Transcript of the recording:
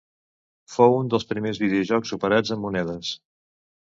Fou un dels primers videojocs operats amb monedes.